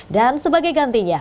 dan sebagai gantinya